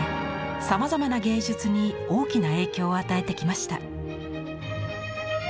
さまざまな芸術に大きな影響を与えてきました。